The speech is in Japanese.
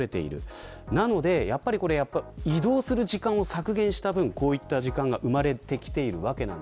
移動時間を削減した分こういった時間が生まれています。